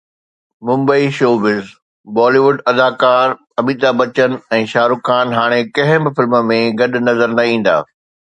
Mumbai (showbiz news) Bollywood اداڪار اميتاڀ بچن ۽ شاهه رخ خان هاڻي ڪنهن به فلم ۾ گڏ نظر نه ايندا.